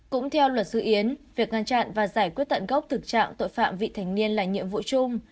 cũng theo luật sư yến việc ngăn chặn và giải quyết tận gốc thực trạng tội phạm vị thành niên là nhiệm vụ chung